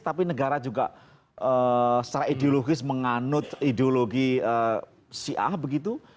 tapi negara juga secara ideologis menganut ideologi syiah begitu